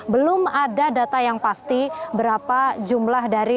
belum ada data yang pasti berapa jumlah dari